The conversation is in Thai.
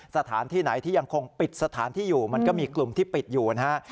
สถานที่ไหนที่ยังคงปิดสถานที่อยู่มันก็มีกลุ่มที่ปิดอยู่นะฮะ